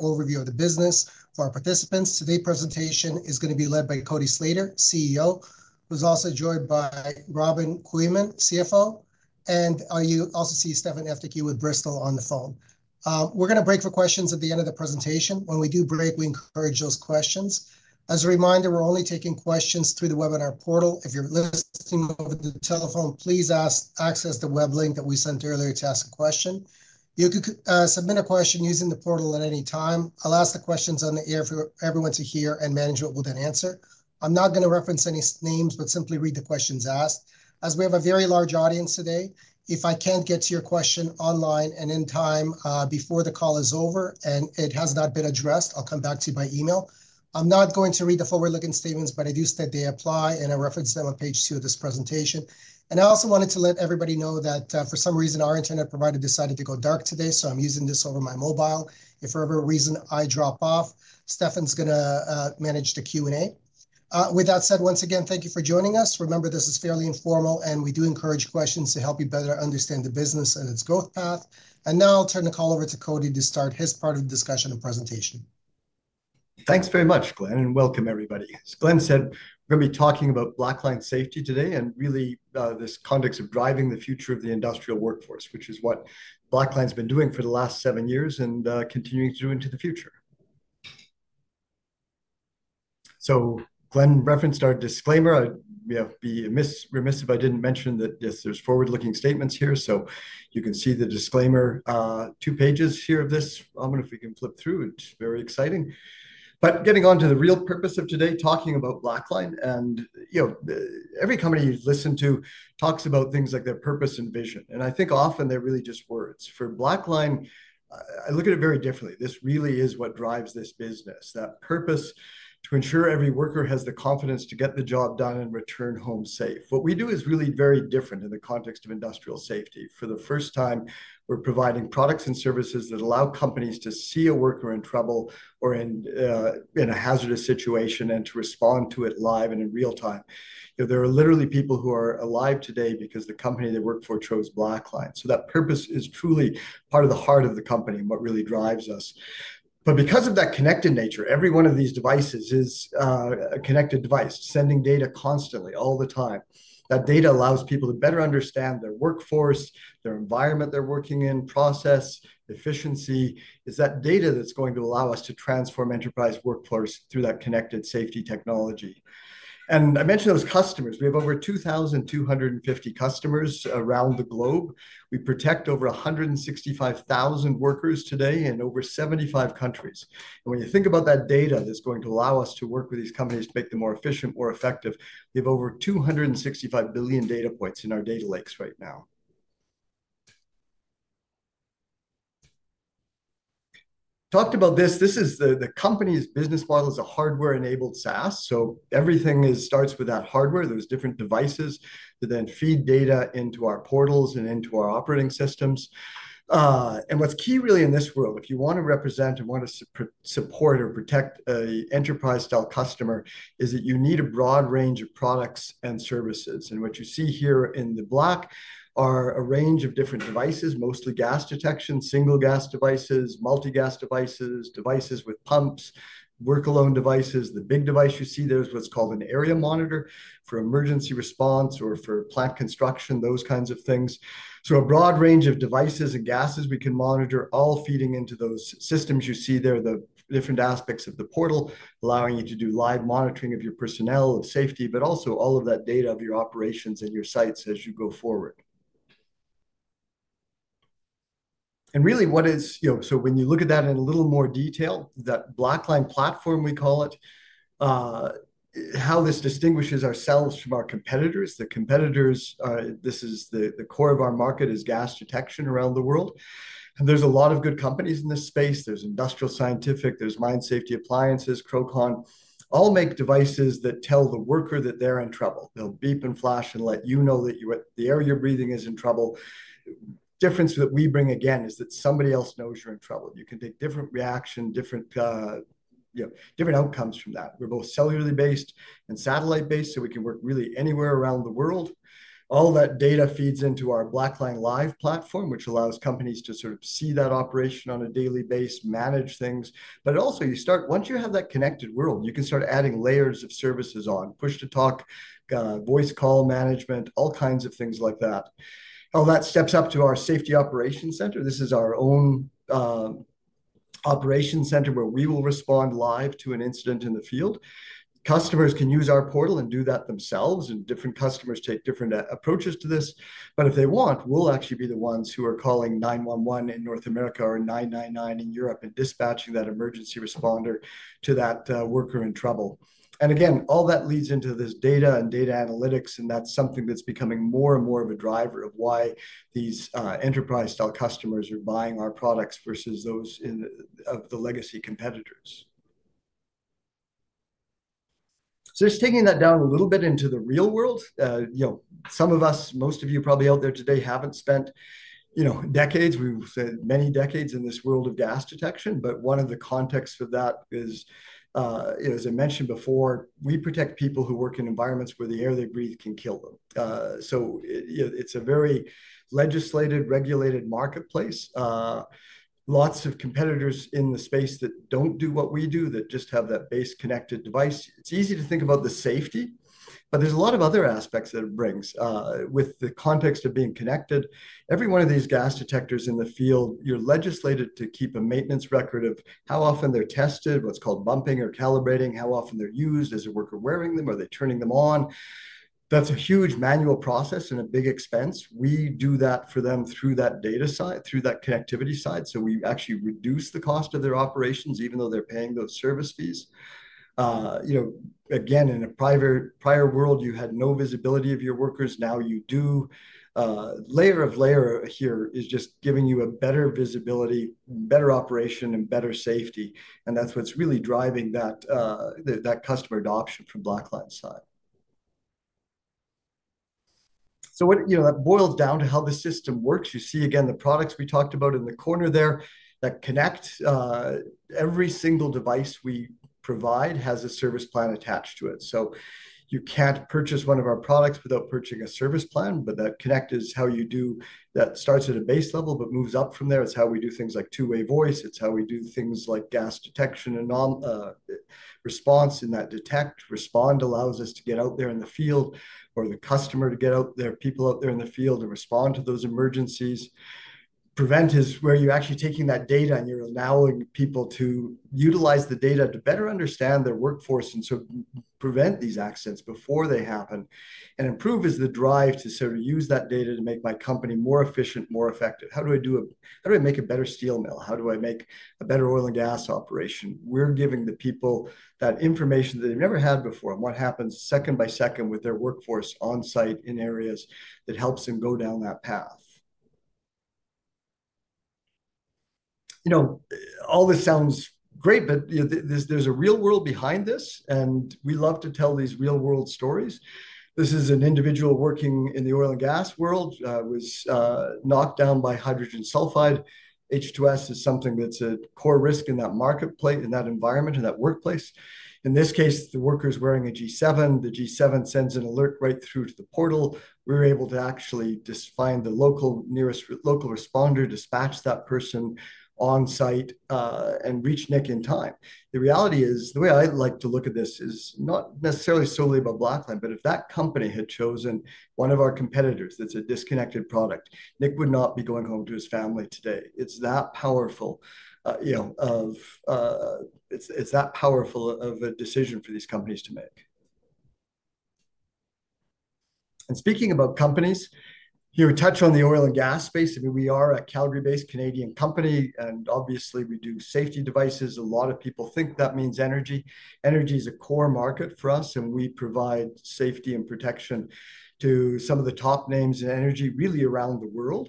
Overview of the business for our participants. Today's presentation is going to be led by Cody Slater, CEO, who's also joined by Robin Kooyman, CFO, and you also see Stefan Eftychiou with Bristol on the phone. We're going to break for questions at the end of the presentation. When we do break, we encourage those questions. As a reminder, we're only taking questions through the webinar portal. If you're listening over the telephone, please access the web link that we sent earlier to ask a question. You can submit a question using the portal at any time. I'll ask the questions on the air for everyone to hear, and management will then answer. I'm not going to reference any names, but simply read the questions asked. As we have a very large audience today, if I can't get to your question online and in time before the call is over and it has not been addressed, I'll come back to you by email. I'm not going to read the forward-looking statements, but I do state they apply, and I referenced them on page two of this presentation. And I also wanted to let everybody know that for some reason our internet provider decided to go dark today, so I'm using this over my mobile. If for whatever reason I drop off, Stefan's going to manage the Q&A. With that said, once again, thank you for joining us. Remember, this is fairly informal, and we do encourage questions to help you better understand the business and its growth path. And now I'll turn the call over to Cody to start his part of the discussion and presentation. Thanks very much, Glen, and welcome everybody. As Glen said, we're going to be talking about Blackline Safety today and really this context of driving the future of the industrial workforce, which is what Blackline's been doing for the last seven years and continuing through into the future. So Glen referenced our disclaimer. I'd be remiss if I didn't mention that there's forward-looking statements here. So you can see the disclaimer two pages here of this. I don't know if we can flip through. It's very exciting, but getting on to the real purpose of today, talking about Blackline, and every company you listen to talks about things like their purpose and vision. And I think often they're really just words. For Blackline, I look at it very differently. This really is what drives this business, that purpose to ensure every worker has the confidence to get the job done and return home safe. What we do is really very different in the context of industrial safety. For the first time, we're providing products and services that allow companies to see a worker in trouble or in a hazardous situation and to respond to it live and in real time. There are literally people who are alive today because the company they work for chose Blackline. So that purpose is truly part of the heart of the company and what really drives us. But because of that connected nature, every one of these devices is a connected device, sending data constantly all the time. That data allows people to better understand their workforce, their environment they're working in, process, efficiency. It's that data that's going to allow us to transform enterprise workforce through that connected safety technology. And I mentioned those customers. We have over 2,250 customers around the globe. We protect over 165,000 workers today in over 75 countries. And when you think about that data that's going to allow us to work with these companies to make them more efficient, more effective, we have over 265 billion data points in our data lakes right now. Talked about this. This is the company's business model is a hardware-enabled SaaS. So everything starts with that hardware. There's different devices that then feed data into our portals and into our operating systems. And what's key really in this world, if you want to represent and want to support or protect an enterprise-style customer, is that you need a broad range of products and services. What you see here in the black are a range of different devices, mostly gas detection, single gas devices, multi-gas devices, devices with pumps, work-alone devices. The big device you see there is what's called an area monitor for emergency response or for plant construction, those kinds of things. A broad range of devices and gases we can monitor, all feeding into those systems you see there, the different aspects of the portal, allowing you to do live monitoring of your personnel, of safety, but also all of that data of your operations and your sites as you go forward. Really what is, so when you look at that in a little more detail, that Blackline platform we call it, how this distinguishes ourselves from our competitors. The competitors, this is the core of our market is gas detection around the world. There's a lot of good companies in this space. There's Industrial Scientific, there's Mine Safety Appliances, Crowcon. All make devices that tell the worker that they're in trouble. They'll beep and flash and let you know that the air you're breathing is in trouble. The difference that we bring, again, is that somebody else knows you're in trouble. You can take different reaction, different outcomes from that. We're both cellularly based and satellite-based, so we can work really anywhere around the world. All that data feeds into our Blackline Live platform, which allows companies to sort of see that operation on a daily basis, manage things, but also you start, once you have that connected world, you can start adding layers of services on, push-to-talk, voice call management, all kinds of things like that. All that steps up to our safety operations center. This is our own operations center where we will respond live to an incident in the field. Customers can use our portal and do that themselves, and different customers take different approaches to this. But if they want, we'll actually be the ones who are calling 911 in North America or 999 in Europe and dispatching that emergency responder to that worker in trouble. And again, all that leads into this data and data analytics, and that's something that's becoming more and more of a driver of why these enterprise-style customers are buying our products versus those of the legacy competitors. So just taking that down a little bit into the real world. Some of us, most of you probably out there today haven't spent decades. We've spent many decades in this world of gas detection, but one of the contexts of that is, as I mentioned before, we protect people who work in environments where the air they breathe can kill them, so it's a very legislated, regulated marketplace. Lots of competitors in the space that don't do what we do, that just have that base connected device. It's easy to think about the safety, but there's a lot of other aspects that it brings. With the context of being connected, every one of these gas detectors in the field, you're legislated to keep a maintenance record of how often they're tested, what's called bumping or calibrating, how often they're used, is a worker wearing them, are they turning them on. That's a huge manual process and a big expense. We do that for them through that data side, through that connectivity side. So we actually reduce the cost of their operations, even though they're paying those service fees. Again, in a prior world, you had no visibility of your workers. Now you do. Layer upon layer here is just giving you a better visibility, better operation, and better safety, and that's what's really driving that customer adoption from Blackline's side. So that boils down to how the system works. You see, again, the products we talked about in the corner there, that connect, every single device we provide has a service plan attached to it. So you can't purchase one of our products without purchasing a service plan, but that Connect is how you do that. That starts at a base level, but moves up from there. It's how we do things like two-way voice. It's how we do things like gas detection and response in that detect, respond allows us to get out there in the field or the customer to get out there, people out there in the field and respond to those emergencies. Prevent is where you're actually taking that data and you're allowing people to utilize the data to better understand their workforce and so prevent these accidents before they happen and improve is the drive to sort of use that data to make my company more efficient, more effective. How do I make a better steel mill? How do I make a better oil and gas operation? We're giving the people that information that they've never had before and what happens second by second with their workforce on site in areas that helps them go down that path. All this sounds great, but there's a real world behind this, and we love to tell these real-world stories. This is an individual working in the oil and gas world was knocked down by hydrogen sulfide. H2S is something that's a core risk in that marketplace, in that environment, in that workplace. In this case, the worker's wearing a G7. The G7 sends an alert right through to the portal. We were able to actually find the local responder, dispatch that person on site, and reach Nick in time. The reality is, the way I like to look at this is not necessarily solely about Blackline, but if that company had chosen one of our competitors that's a disconnected product, Nick would not be going home to his family today. It's that powerful of a decision for these companies to make. Speaking about companies, you touch on the oil and gas space. I mean, we are a Calgary-based Canadian company, and obviously we do safety devices. A lot of people think that means energy. Energy is a core market for us, and we provide safety and protection to some of the top names in energy really around the world.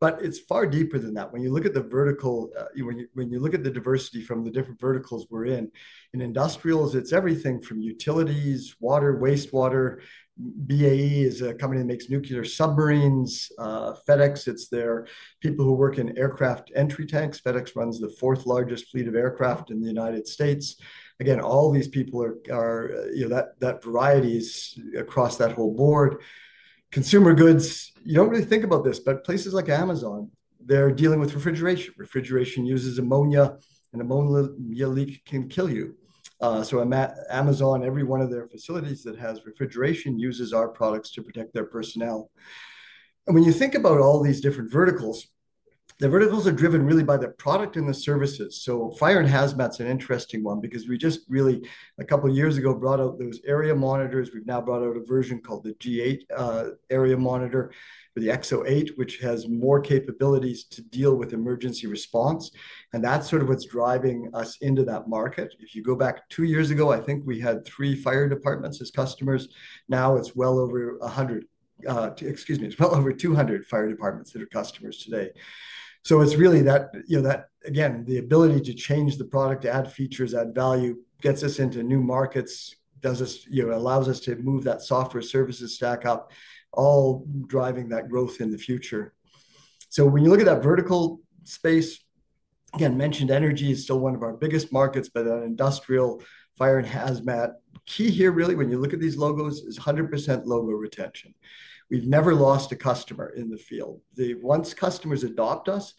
But it's far deeper than that. When you look at the vertical, when you look at the diversity from the different verticals we're in, in industrials, it's everything from utilities, water, wastewater. BAE is a company that makes nuclear submarines. FedEx, it's their people who work in aircraft entry tanks. FedEx runs the fourth largest fleet of aircraft in the United States. Again, all these people are that varieties across that whole board. Consumer goods, you don't really think about this, but places like Amazon, they're dealing with refrigeration. Refrigeration uses ammonia, and an ammonia leak can kill you. So Amazon, every one of their facilities that has refrigeration uses our products to protect their personnel. And when you think about all these different verticals, the verticals are driven really by the product and the services. So fire and hazmat's an interesting one because we just really, a couple of years ago, brought out those area monitors. We've now brought out a version called the G7 area monitor for the EXO 8, which has more capabilities to deal with emergency response. And that's sort of what's driving us into that market. If you go back two years ago, I think we had three fire departments as customers. Now it's well over 100, excuse me, it's well over 200 fire departments that are customers today. So it's really that, again, the ability to change the product, add features, add value, gets us into new markets, allows us to move that software services stack up, all driving that growth in the future. So when you look at that vertical space, again, mentioned energy is still one of our biggest markets, but an industrial fire and hazmat. Key here really, when you look at these logos, is 100% logo retention. We've never lost a customer in the field. Once customers adopt us,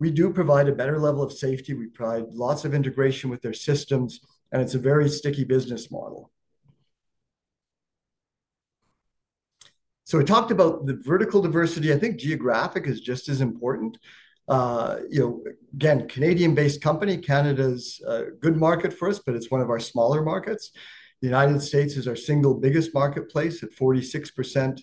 we do provide a better level of safety. We provide lots of integration with their systems, and it's a very sticky business model. So we talked about the vertical diversity. I think geographic is just as important. Again, Canadian-based company, Canada's a good market for us, but it's one of our smaller markets. The United States is our single biggest marketplace at 46%.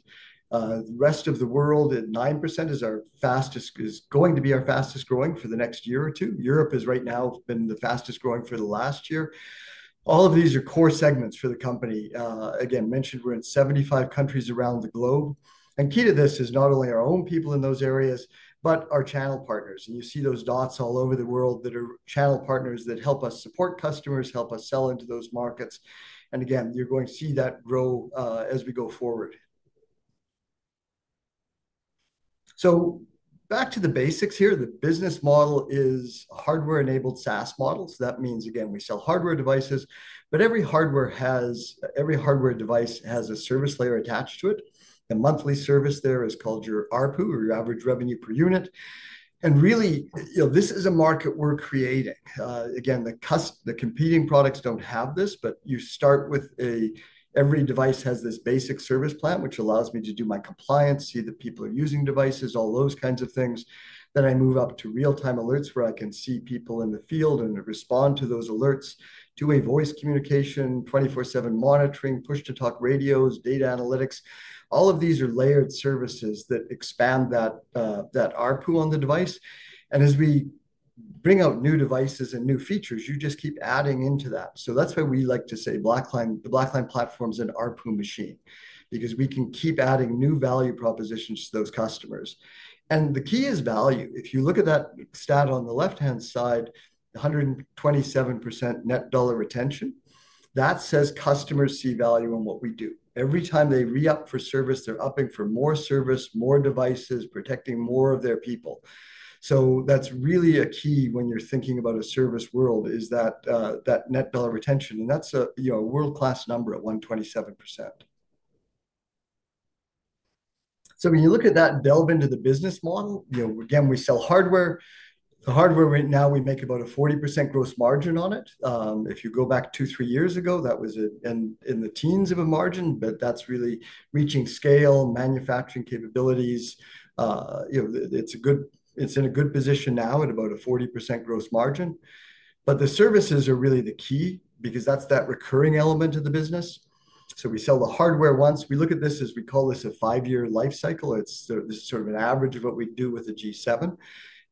The rest of the world at 9% is our fastest, is going to be our fastest growing for the next year or two. Europe has right now been the fastest growing for the last year. All of these are core segments for the company. Again, mentioned we're in 75 countries around the globe, and key to this is not only our own people in those areas, but our channel partners, and you see those dots all over the world that are channel partners that help us support customers, help us sell into those markets, and again, you're going to see that grow as we go forward, so back to the basics here. The business model is a hardware-enabled SaaS model, so that means, again, we sell hardware devices, but every hardware device has a service layer attached to it. The monthly service there is called your ARPU or your average revenue per unit. And really, this is a market we're creating. Again, the competing products don't have this, but you start with every device has this basic service plan, which allows me to do my compliance, see the people using devices, all those kinds of things. Then I move up to real-time alerts where I can see people in the field and respond to those alerts, do a voice communication, 24/7 monitoring, push-to-talk radios, data analytics. All of these are layered services that expand that ARPU on the device. And as we bring out new devices and new features, you just keep adding into that. So that's why we like to say the Blackline platform's an ARPU machine, because we can keep adding new value propositions to those customers. And the key is value. If you look at that stat on the left-hand side, 127% net dollar retention, that says customers see value in what we do. Every time they re-up for service, they're opting for more service, more devices, protecting more of their people. So that's really a key when you're thinking about a service world, is that net dollar retention. And that's a world-class number at 127%. So when you look at that, delve into the business model. Again, we sell hardware. The hardware right now, we make about a 40% gross margin on it. If you go back two, three years ago, that was in the teens of a margin, but that's really reaching scale, manufacturing capabilities. It's in a good position now at about a 40% gross margin. But the services are really the key because that's that recurring element of the business. So we sell the hardware once. We look at this as we call this a five-year life cycle. This is sort of an average of what we do with the G7.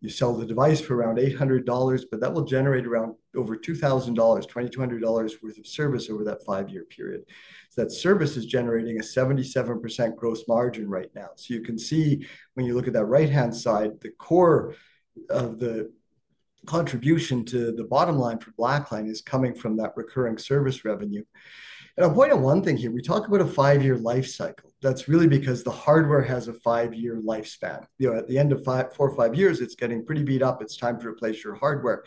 You sell the device for around $800, but that will generate around over $2,000, $2,200 worth of service over that five-year period. That service is generating a 77% gross margin right now. So you can see when you look at that right-hand side, the core of the contribution to the bottom line for Blackline is coming from that recurring service revenue. And I'll point out one thing here. We talk about a five-year life cycle. That's really because the hardware has a five-year lifespan. At the end of four or five years, it's getting pretty beat up. It's time to replace your hardware.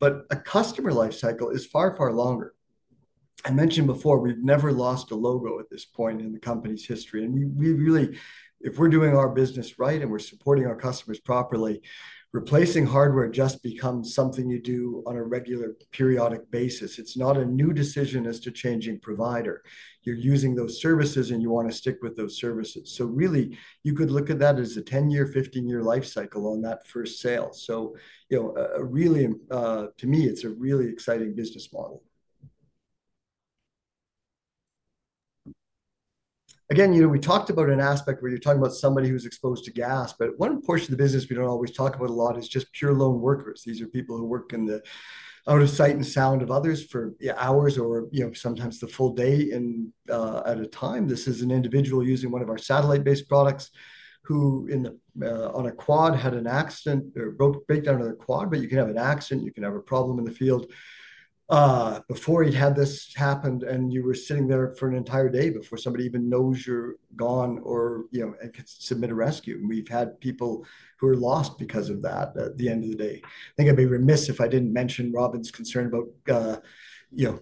But a customer life cycle is far, far longer. I mentioned before, we've never lost a logo at this point in the company's history, and we really, if we're doing our business right and we're supporting our customers properly, replacing hardware just becomes something you do on a regular periodic basis. It's not a new decision as to changing provider. You're using those services and you want to stick with those services, so really, you could look at that as a 10-year, 15-year life cycle on that first sale, so really, to me, it's a really exciting business model. Again, we talked about an aspect where you're talking about somebody who's exposed to gas, but one portion of the business we don't always talk about a lot is just pure lone workers. These are people who work out of sight and sound of others for hours or sometimes the full day at a time. This is an individual using one of our satellite-based products who on a quad had an accident or broke down on a quad, but you can have an accident. You can have a problem in the field before he'd had this happened and you were sitting there for an entire day before somebody even knows you're gone or could submit a rescue. We've had people who are lost because of that at the end of the day. I think I'd be remiss if I didn't mention Robin's concern about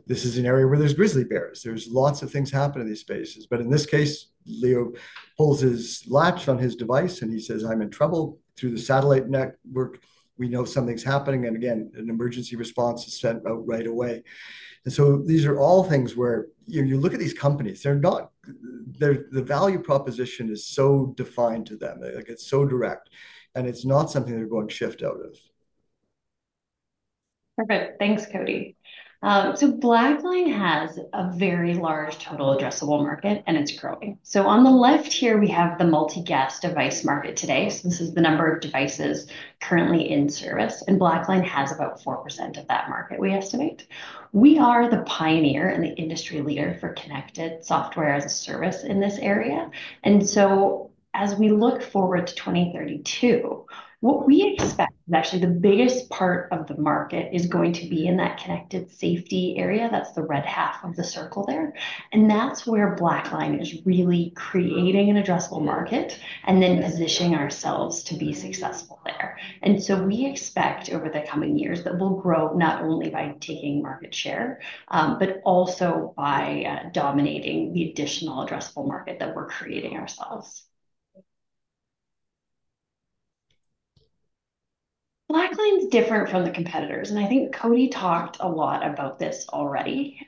this is an area where there's grizzly bears. There's lots of things happen in these spaces. But in this case, Leo pulls his latch on his device and he says, "I'm in trouble." Through the satellite network, we know something's happening. Again, an emergency response is sent out right away. These are all things where you look at these companies. The value proposition is so defined to them. It's so direct. And it's not something they're going to shift out of. Perfect. Thanks, Cody. Blackline has a very large total addressable market and it's growing. On the left here, we have the multi-gas device market today. This is the number of devices currently in service. And Blackline has about 4% of that market we estimate. We are the pioneer and the industry leader for connected software as a service in this area. As we look forward to 2032, what we expect is actually the biggest part of the market is going to be in that connected safety area. That's the red half of the circle there. That's where Blackline is really creating an addressable market and then positioning ourselves to be successful there. We expect over the coming years that we'll grow not only by taking market share, but also by dominating the additional addressable market that we're creating ourselves. Blackline's different from the competitors. I think Cody talked a lot about this already.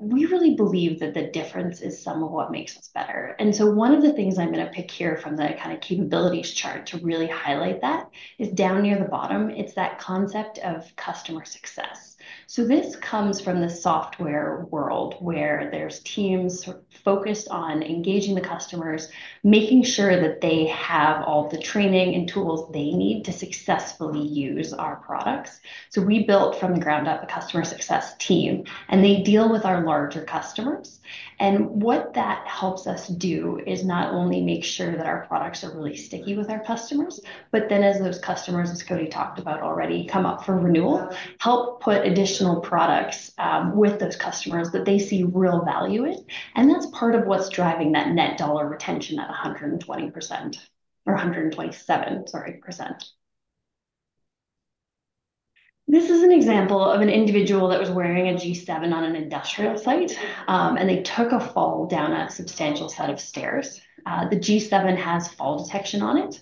We really believe that the difference is some of what makes us better. One of the things I'm going to pick here from the kind of capabilities chart to really highlight that is down near the bottom. It's that concept of customer success. This comes from the software world where there's teams focused on engaging the customers, making sure that they have all the training and tools they need to successfully use our products. We built from the ground up a customer success team, and they deal with our larger customers. What that helps us do is not only make sure that our products are really sticky with our customers, but then as those customers, as Cody talked about already, come up for renewal, help put additional products with those customers that they see real value in. That's part of what's driving that net dollar retention at 120% or 127%. This is an example of an individual that was wearing a G7 on an industrial site, and they took a fall down a substantial set of stairs. The G7 has fall detection on it.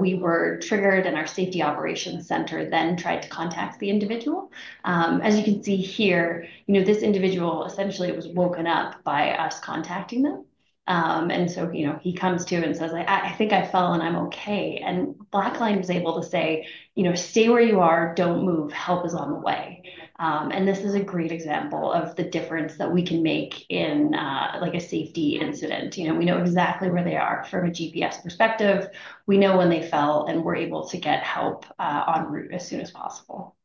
We were triggered, and our safety operations center then tried to contact the individual. As you can see here, this individual essentially was woken up by us contacting them. And so he comes to and says, "I think I fell and I'm okay." And Blackline was able to say, "Stay where you are. Don't move. Help is on the way." And this is a great example of the difference that we can make in a safety incident. We know exactly where they are from a GPS perspective. We know when they fell and we're able to get help en route as soon as possible.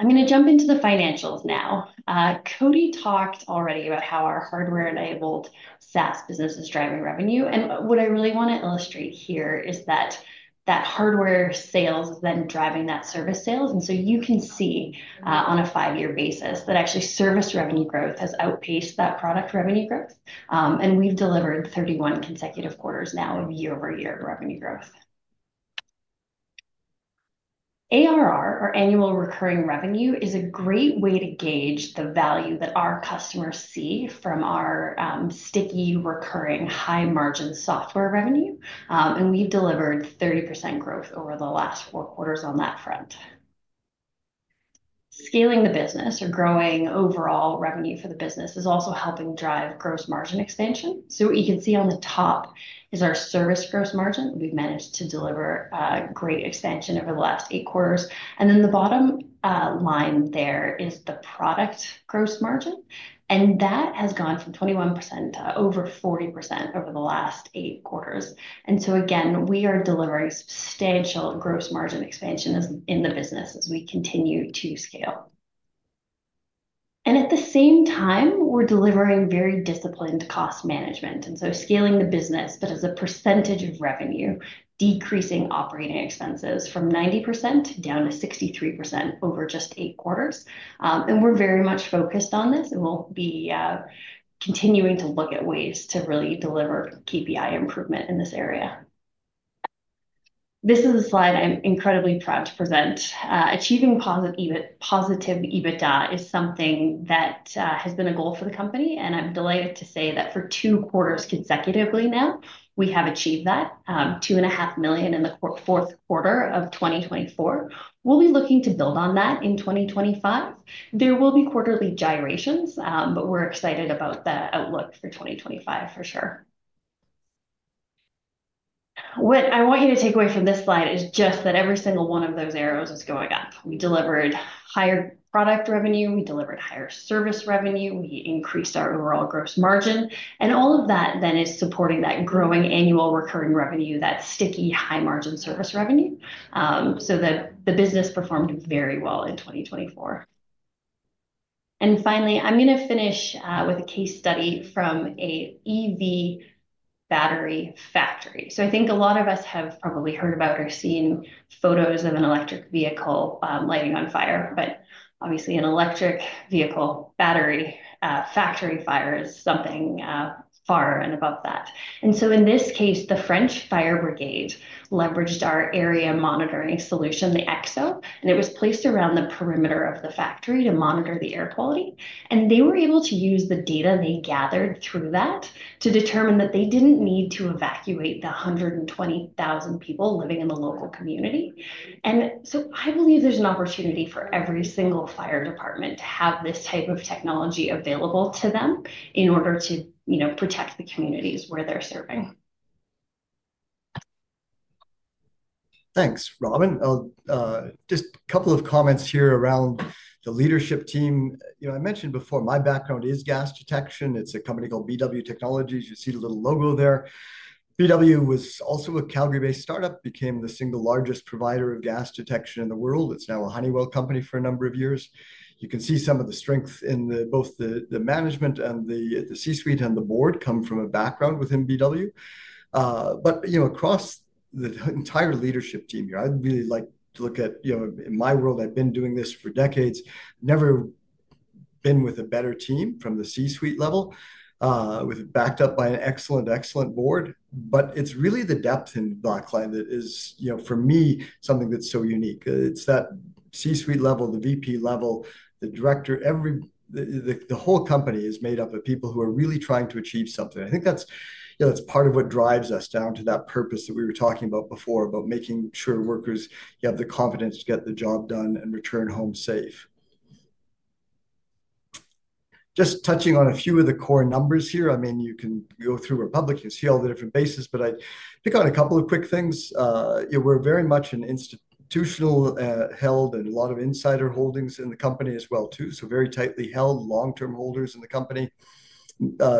I'm going to jump into the financials now. Cody talked already about how our hardware-enabled SaaS business is driving revenue. And what I really want to illustrate here is that that hardware sales is then driving that service sales. And so you can see on a five-year basis that actually service revenue growth has outpaced that product revenue growth. And we've delivered 31 consecutive quarters now of year-over-year revenue growth. ARR, or annual recurring revenue, is a great way to gauge the value that our customers see from our sticky, recurring, high-margin software revenue. And we've delivered 30% growth over the last four quarters on that front. Scaling the business or growing overall revenue for the business is also helping drive gross margin expansion. So what you can see on the top is our service gross margin. We've managed to deliver great expansion over the last eight quarters. And then the bottom line there is the product gross margin. And that has gone from 21% to over 40% over the last eight quarters. And so again, we are delivering substantial gross margin expansion in the business as we continue to scale. And at the same time, we're delivering very disciplined cost management. And so, scaling the business, but as a percentage of revenue, decreasing operating expenses from 90% down to 63% over just eight quarters. And we're very much focused on this, and we'll be continuing to look at ways to really deliver KPI improvement in this area. This is a slide I'm incredibly proud to present. Achieving positive EBITDA is something that has been a goal for the company. And I'm delighted to say that for two quarters consecutively now, we have achieved that, 2.5 million in the fourth quarter of 2024. We'll be looking to build on that in 2025. There will be quarterly gyrations, but we're excited about the outlook for 2025 for sure. What I want you to take away from this slide is just that every single one of those arrows is going up. We delivered higher product revenue. We delivered higher service revenue. We increased our overall gross margin, and all of that then is supporting that growing annual recurring revenue, that sticky, high-margin service revenue, so the business performed very well in 2024, and finally, I'm going to finish with a case study from an EV battery factory, so I think a lot of us have probably heard about or seen photos of an electric vehicle lighting on fire, but obviously, an electric vehicle battery factory fire is something far and above that, and so in this case, the French Fire Brigade leveraged our area monitoring solution, the EXO, and it was placed around the perimeter of the factory to monitor the air quality, and they were able to use the data they gathered through that to determine that they didn't need to evacuate the 120,000 people living in the local community. I believe there's an opportunity for every single fire department to have this type of technology available to them in order to protect the communities where they're serving. Thanks, Robin. Just a couple of comments here around the leadership team. I mentioned before, my background is gas detection. It's a company called BW Technologies. You see the little logo there. BW was also a Calgary-based startup, became the single largest provider of gas detection in the world. It's now a Honeywell company for a number of years. You can see some of the strength in both the management and the C-suite and the board come from a background within BW. But across the entire leadership team here, I'd really like to look at, in my world, I've been doing this for decades, never been with a better team from the C-suite level, backed up by an excellent, excellent board. But it's really the depth in Blackline that is, for me, something that's so unique. It's that C-suite level, the VP level, the director, the whole company is made up of people who are really trying to achieve something. I think that's part of what drives us down to that purpose that we were talking about before, about making sure workers have the confidence to get the job done and return home safe. Just touching on a few of the core numbers here. I mean, you can go through the deck and see all the different cases, but I pick out a couple of quick things. We're very much an institutional held and a lot of insider holdings in the company as well, too. So very tightly held, long-term holders in the company.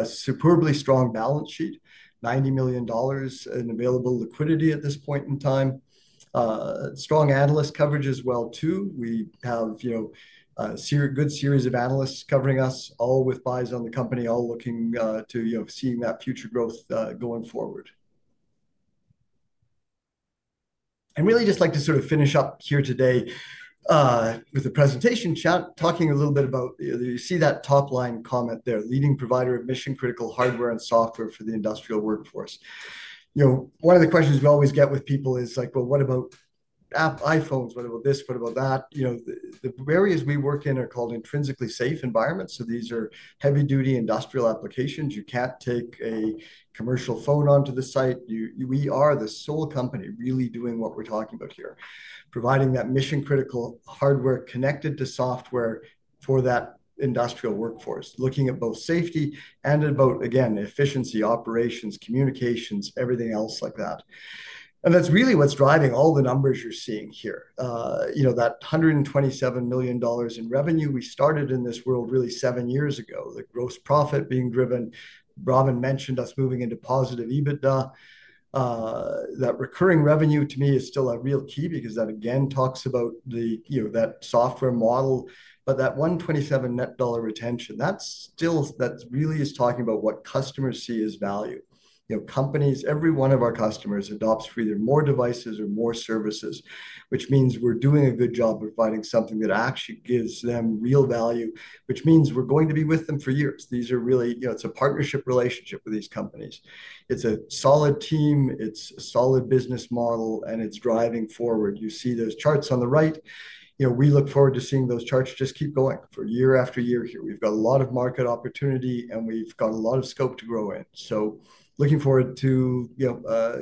Superbly strong balance sheet, 90 million dollars in available liquidity at this point in time. Strong analyst coverage as well, too. We have a good series of analysts covering us, all with eyes on the company, all looking to see that future growth going forward. I'd really just like to sort of finish up here today with the presentation, talking a little bit about, you see that top-line comment there, leading provider of mission-critical hardware and software for the industrial workforce. One of the questions we always get with people is like, "Well, what about iPhones? What about this? What about that?" The areas we work in are called intrinsically safe environments. So these are heavy-duty industrial applications. You can't take a commercial phone onto the site. We are the sole company really doing what we're talking about here, providing that mission-critical hardware connected to software for that industrial workforce, looking at both safety and about, again, efficiency, operations, communications, everything else like that. And that's really what's driving all the numbers you're seeing here. That $127 million in revenue, we started in this world really seven years ago, the gross profit being driven. Robin mentioned us moving into positive EBITDA. That recurring revenue, to me, is still a real key because that, again, talks about that software model. But that 127 net dollar retention, that really is talking about what customers see as value. Every one of our customers adopts for either more devices or more services, which means we're doing a good job of providing something that actually gives them real value, which means we're going to be with them for years. These are really, it's a partnership relationship with these companies. It's a solid team. It's a solid business model, and it's driving forward. You see those charts on the right. We look forward to seeing those charts just keep going for year after year here. We've got a lot of market opportunity, and we've got a lot of scope to grow in. So looking forward to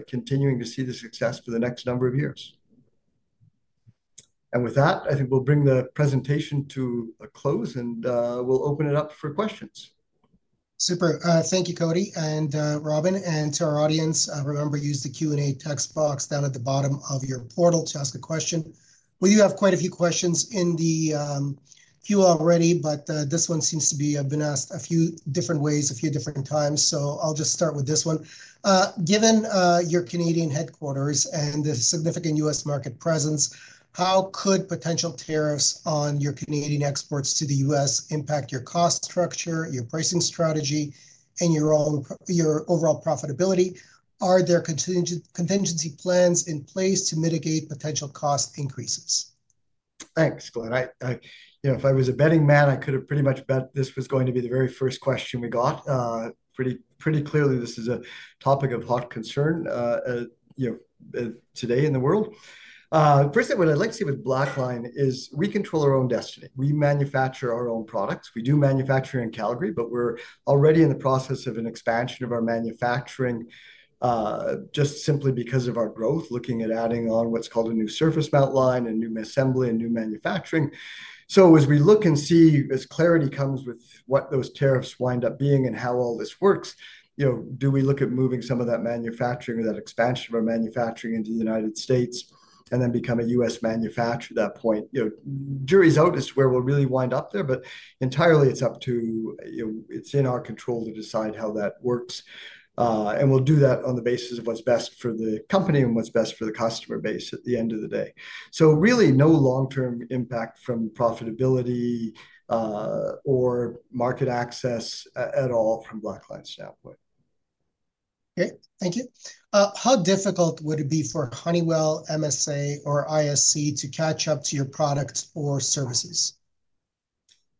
continuing to see the success for the next number of years. And with that, I think we'll bring the presentation to a close, and we'll open it up for questions. Super. Thank you, Cody and Robin. To our audience, remember, use the Q&A text box down at the bottom of your portal to ask a question. We do have quite a few questions in the queue already, but this one seems to have been asked a few different ways, a few different times. So I'll just start with this one. Given your Canadian headquarters and the significant U.S. market presence, how could potential tariffs on your Canadian exports to the U.S. impact your cost structure, your pricing strategy, and your overall profitability? Are there contingency plans in place to mitigate potential cost increases? Thanks, Glen. If I was a betting man, I could have pretty much bet this was going to be the very first question we got. Pretty clearly, this is a topic of hot concern today in the world. First, what I'd like to say with Blackline is we control our own destiny. We manufacture our own products. We do manufacture in Calgary, but we're already in the process of an expansion of our manufacturing just simply because of our growth, looking at adding on what's called a new surface mount line, a new assembly, and new manufacturing. So as we look and see, as clarity comes with what those tariffs wind up being and how all this works, do we look at moving some of that manufacturing or that expansion of our manufacturing into the United States and then become a U.S. manufacturer at that point? Jury's out as to where we'll really wind up there, but entirely it's up to, it's in our control to decide how that works, and we'll do that on the basis of what's best for the company and what's best for the customer base at the end of the day. So really no long-term impact from profitability or market access at all from Blackline's standpoint. Okay. Thank you. How difficult would it be for Honeywell, MSA, or ISC to catch up to your products or services?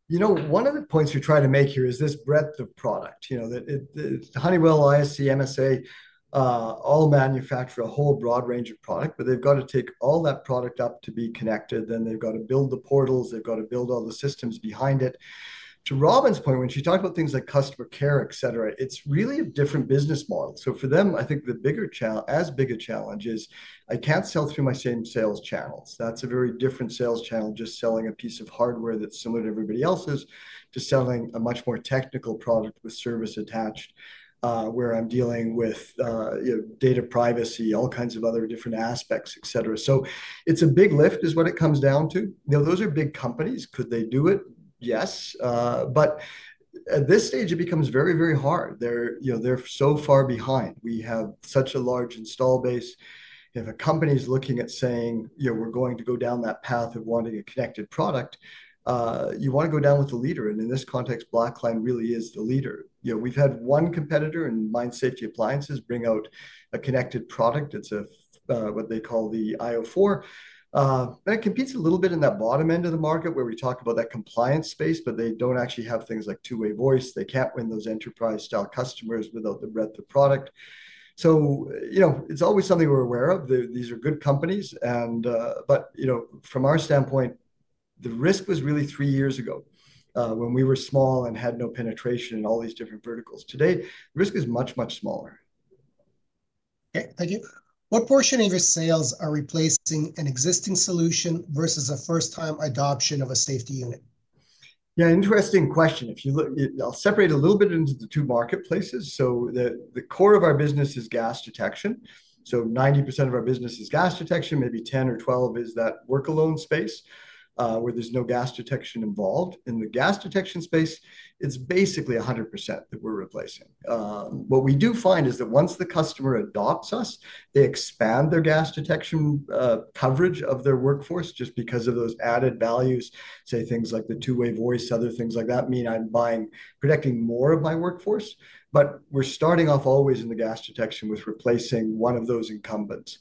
One of the points we try to make here is this breadth of product. Honeywell, ISC, MSA all manufacture a whole broad range of product, but they've got to take all that product up to be connected. Then they've got to build the portals. They've got to build all the systems behind it. To Robin's point, when she talked about things like customer care, etc., it's really a different business model. So for them, I think the bigger challenge, as big a challenge, is I can't sell through my same sales channels. That's a very different sales channel, just selling a piece of hardware that's similar to everybody else's to selling a much more technical product with service attached where I'm dealing with data privacy, all kinds of other different aspects, etc. So it's a big lift is what it comes down to. Those are big companies. Could they do it? Yes. But at this stage, it becomes very, very hard. They're so far behind. We have such a large install base. If a company is looking at saying, "We're going to go down that path of wanting a connected product," you want to go down with the leader, and in this context, Blackline really is the leader. We've had one competitor in Mine Safety Appliances bring out a connected product. It's what they call the io4. But it competes a little bit in that bottom end of the market where we talk about that compliance space, but they don't actually have things like two-way voice. They can't win those enterprise-style customers without the breadth of product. So it's always something we're aware of. These are good companies. But from our standpoint, the risk was really three years ago when we were small and had no penetration in all these different verticals. Today, the risk is much, much smaller. Okay. Thank you. What portion of your sales are replacing an existing solution versus a first-time adoption of a safety unit? Yeah. Interesting question. I'll separate a little bit into the two marketplaces. So the core of our business is gas detection. So 90% of our business is gas detection. Maybe 10 or 12 is that work-alone space where there's no gas detection involved. In the gas detection space, it's basically 100% that we're replacing. What we do find is that once the customer adopts us, they expand their gas detection coverage of their workforce just because of those added values, say things like the two-way voice, other things like that, mean I'm protecting more of my workforce. But we're starting off always in the gas detection with replacing one of those incumbents.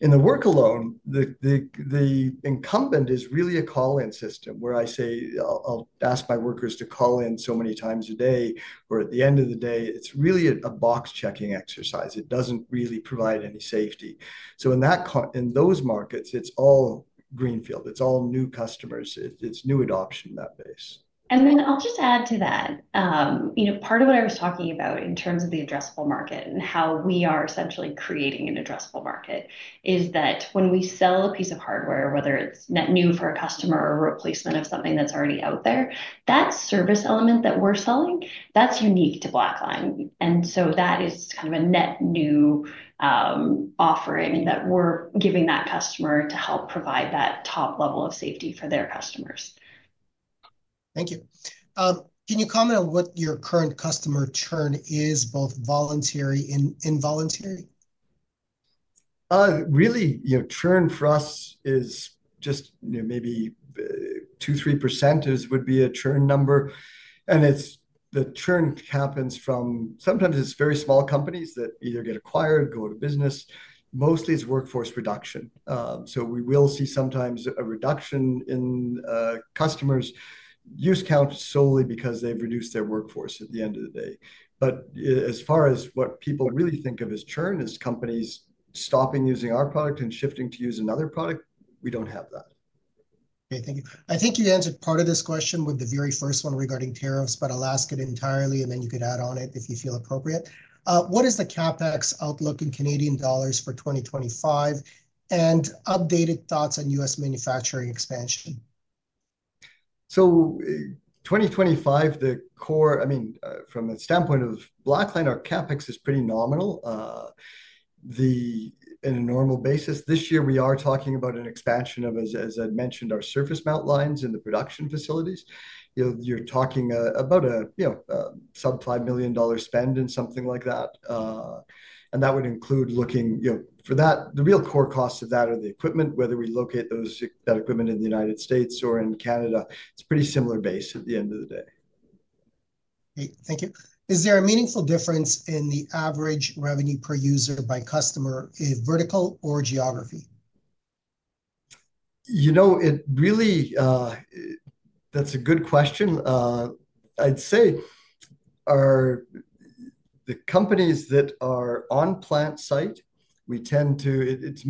In the work-alone, the incumbent is really a call-in system where I say, "I'll ask my workers to call in so many times a day," or at the end of the day, it's really a box-checking exercise. It doesn't really provide any safety. So in those markets, it's all greenfield. It's all new customers. It's new adoption that base. And then I'll just add to that. Part of what I was talking about in terms of the addressable market and how we are essentially creating an addressable market is that when we sell a piece of hardware, whether it's net new for a customer or replacement of something that's already out there, that service element that we're selling, that's unique to Blackline. And so that is kind of a net new offering that we're giving that customer to help provide that top level of safety for their customers. Thank you. Can you comment on what your current customer churn is, both voluntary and involuntary? Really, churn for us is just maybe 2-3% would be a churn number. And the churn happens from sometimes it's very small companies that either get acquired, go out of business. Mostly, it's workforce reduction. So we will see sometimes a reduction in customers' use count solely because they've reduced their workforce at the end of the day. But as far as what people really think of as churn is companies stopping using our product and shifting to use another product, we don't have that. Okay. Thank you. I think you answered part of this question with the very first one regarding tariffs, but I'll ask it entirely, and then you could add on it if you feel appropriate. What is the CapEx outlook in Canadian dollars for 2025 and updated thoughts on U.S. manufacturing expansion? So 2025, the core, I mean, from the standpoint of Blackline, our CapEx is pretty nominal in a normal basis. This year, we are talking about an expansion of, as I mentioned, our surface mount lines in the production facilities. You're talking about a sub-$5 million spend and something like that. And that would include looking for that, the real core costs of that are the equipment, whether we locate that equipment in the United States or in Canada. It's a pretty similar base at the end of the day. Okay. Thank you. Is there a meaningful difference in the average revenue per user by customer, vertical or geography? That's a good question. I'd say the companies that are on plant site, it's a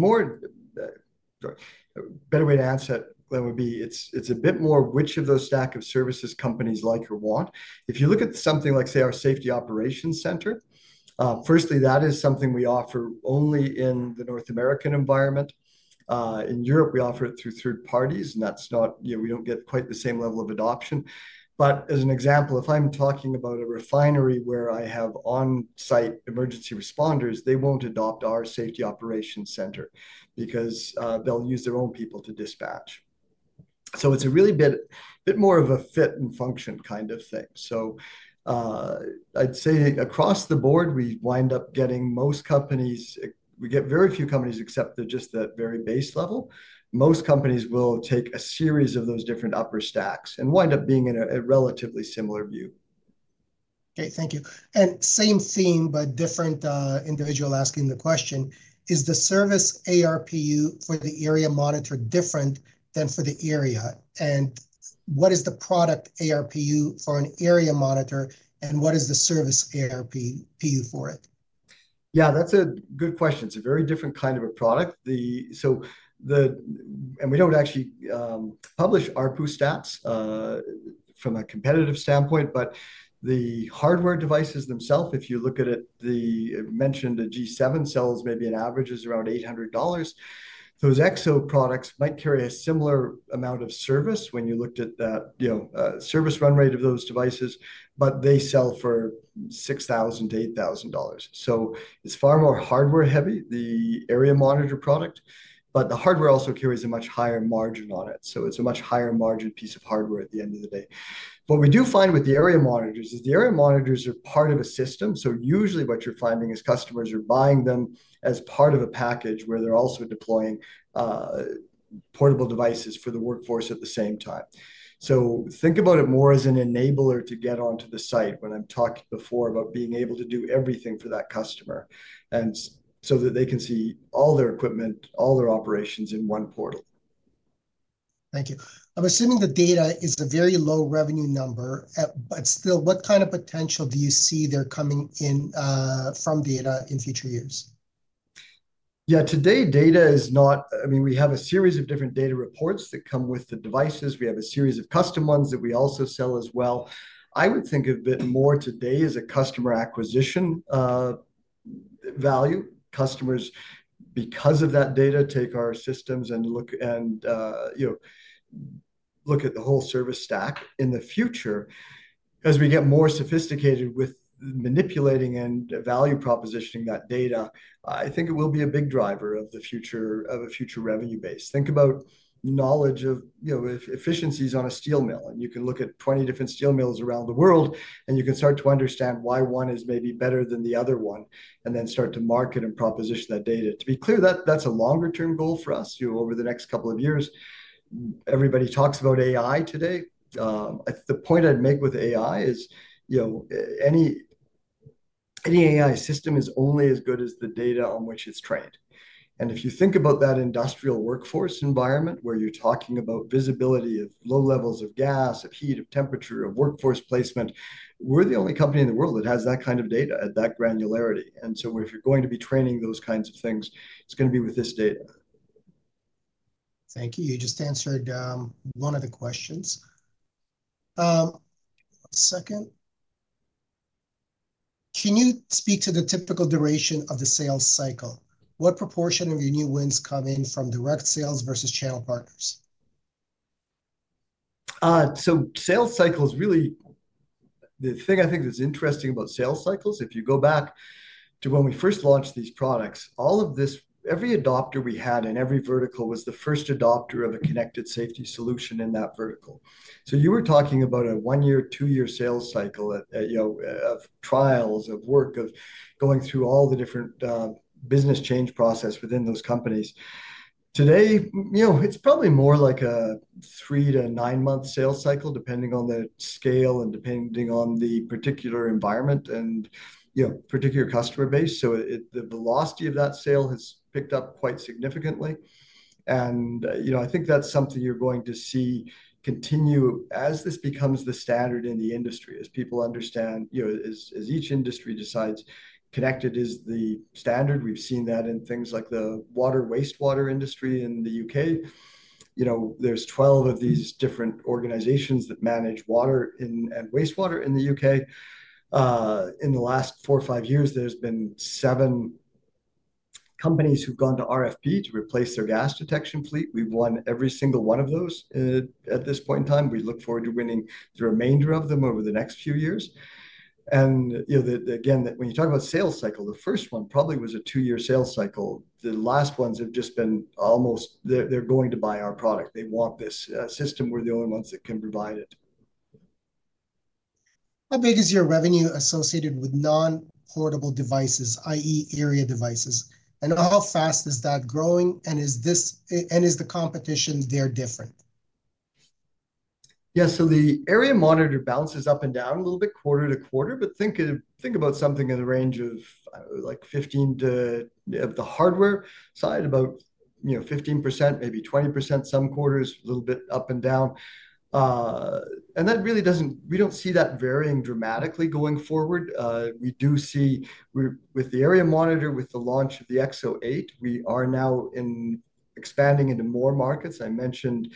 better way to answer that would be it's a bit more which of those stack of services companies like or want. If you look at something like, say, our safety operations center, firstly, that is something we offer only in the North American environment. In Europe, we offer it through third parties, and that's not. We don't get quite the same level of adoption, but as an example, if I'm talking about a refinery where I have on-site emergency responders, they won't adopt our safety operations center because they'll use their own people to dispatch, so it's really a bit more of a fit and function kind of thing, so I'd say across the board, we wind up getting most companies. We get very few companies except just that very base level. Most companies will take a series of those different upper stacks and wind up being in a relatively similar view. Okay. Thank you, and same theme, but different individual asking the question, is the service ARPU for the area monitor different than for the area? What is the product ARPU for an area monitor, and what is the service ARPU for it? Yeah, that's a good question. It's a very different kind of a product. We don't actually publish ARPU stats from a competitive standpoint, but the hardware devices themselves, if you look at it, the mentioned G7 sells maybe an average is around $800. Those EXO products might carry a similar amount of service when you looked at that service run rate of those devices, but they sell for $6,000-$8,000. It's far more hardware-heavy, the area monitor product, but the hardware also carries a much higher margin on it. It's a much higher margin piece of hardware at the end of the day. What we do find with the area monitors is the area monitors are part of a system. So usually what you're finding is customers are buying them as part of a package where they're also deploying portable devices for the workforce at the same time. So think about it more as an enabler to get onto the site when I'm talking before about being able to do everything for that customer so that they can see all their equipment, all their operations in one portal. Thank you. I'm assuming that data is a very low revenue number, but still, what kind of potential do you see there coming in from data in future years? Yeah. Today, data is not. I mean, we have a series of different data reports that come with the devices. We have a series of custom ones that we also sell as well. I would think a bit more today is a customer acquisition value. Customers, because of that data, take our systems and look at the whole service stack. In the future, as we get more sophisticated with manipulating and value propositioning that data, I think it will be a big driver of a future revenue base. Think about knowledge of efficiencies on a steel mill, and you can look at 20 different steel mills around the world, and you can start to understand why one is maybe better than the other one and then start to market and proposition that data. To be clear, that's a longer-term goal for us over the next couple of years. Everybody talks about AI today. The point I'd make with AI is any AI system is only as good as the data on which it's trained. If you think about that industrial workforce environment where you're talking about visibility of low levels of gas, of heat, of temperature, of workforce placement, we're the only company in the world that has that kind of data at that granularity. If you're going to be training those kinds of things, it's going to be with this data. Thank you. You just answered one of the questions. One second. Can you speak to the typical duration of the sales cycle? What proportion of your new wins come in from direct sales versus channel partners? Sales cycles really the thing I think that's interesting about sales cycles. If you go back to when we first launched these products, all of this, every adopter we had in every vertical was the first adopter of a connected safety solution in that vertical. So you were talking about a one-year, two-year sales cycle of trials, of work, of going through all the different business change process within those companies. Today, it's probably more like a three- to nine-month sales cycle, depending on the scale and depending on the particular environment and particular customer base. So the velocity of that sale has picked up quite significantly. And I think that's something you're going to see continue as this becomes the standard in the industry, as people understand, as each industry decides connected is the standard. We've seen that in things like the water wastewater industry in the U.K. There's 12 of these different organizations that manage water and wastewater in the U.K. In the last four or five years, there's been seven companies who've gone to RFP to replace their gas detection fleet. We've won every single one of those at this point in time. We look forward to winning the remainder of them over the next few years. And again, when you talk about sales cycle, the first one probably was a two-year sales cycle. The last ones have just been almost they're going to buy our product. They want this system. We're the only ones that can provide it. How big is your revenue associated with non-portable devices, i.e., area devices? And how fast is that growing? And is the competition there different? Yeah. So the area monitor bounces up and down a little bit quarter to quarter, but think about something in the range of like 15 to the hardware side, about 15%, maybe 20% some quarters, a little bit up and down. And that really, we don't see that varying dramatically going forward. We do see with the area monitor, with the launch of the EXO-8, we are now expanding into more markets. I mentioned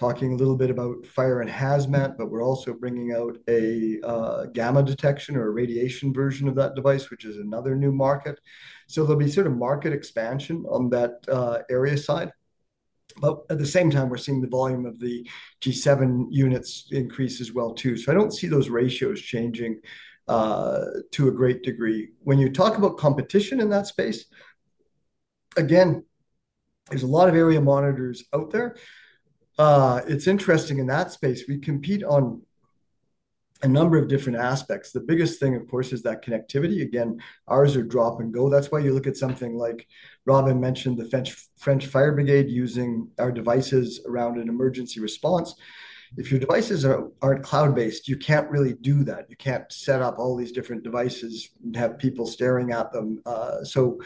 talking a little bit about Fire and Hazmat, but we're also bringing out a gamma detection or a radiation version of that device, which is another new market. So there'll be sort of market expansion on that area side. But at the same time, we're seeing the volume of the G7 units increase as well too. So I don't see those ratios changing to a great degree. When you talk about competition in that space, again, there's a lot of area monitors out there. It's interesting in that space. We compete on a number of different aspects. The biggest thing, of course, is that connectivity. Again, ours are drop and go. That's why you look at something like Robin mentioned, the French Fire Brigade using our devices around an emergency response. If your devices aren't cloud-based, you can't really do that. You can't set up all these different devices and have people staring at them. So